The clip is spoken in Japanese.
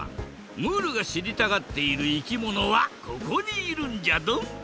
ムールがしりたがっているいきものはここにいるんじゃドン。